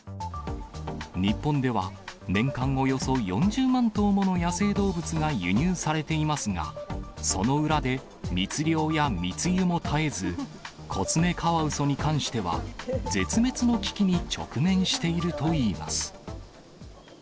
日本では、年間およそ４０万頭もの野生動物が輸入されていますが、その裏で、密猟や密輸も絶えず、コツメカワウソに関しては、絶滅の危機に直面しているといいます。